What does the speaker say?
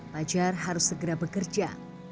pajar harus segera bekerja